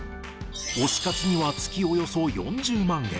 推し活には月およそ４０万円。